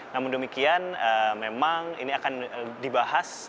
namun demikian memang ini akan dibahas